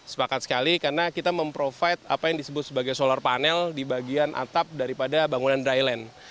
sepakat sekali karena kita memprovide apa yang disebut sebagai solar panel di bagian atap daripada bangunan dryland